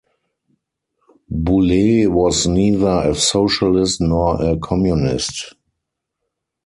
Boulle was neither a socialist nor a communist.